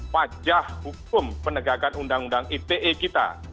wajah hukum penegakan undang undang ite kita